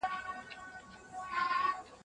که سهار وختي پاڅېږې نو د ورځې کارونه به سم شي.